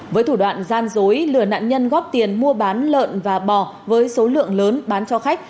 với thủ đoạn gian dối lừa nạn nhân góp tiền mua bán lợn và bò với số lượng lớn bán cho khách